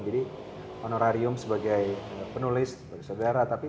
jadi honorarium sebagai penulis saudara